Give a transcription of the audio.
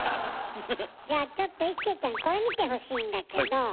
じゃちょっと一生ちゃんこれ見てほしいんだけど。